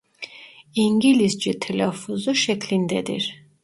İngilizce telaffuzu şeklindedir.